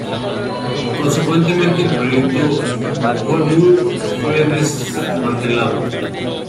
Consecuentemente el Proyecto Huemul fue desmantelado.